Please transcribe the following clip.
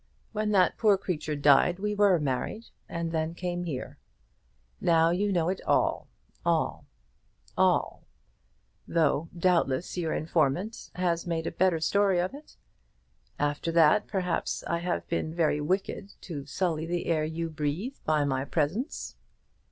When that poor creature died we were married, and then came here. Now you know it all; all; all, though doubtless your informant has made a better story of it. After that, perhaps, I have been very wicked to sully the air you breathe by my presence."